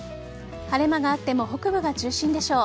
晴れ間があっても北部が中心でしょう。